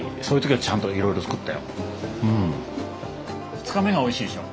２日目がおいしいでしょ。